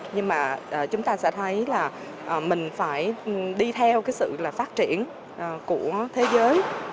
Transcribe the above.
nhưng mà chúng ta sẽ thấy là mình phải đi theo sự phát triển của thế giới